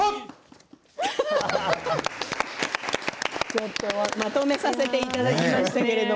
ちょっとまとめさせていただきましたけれど。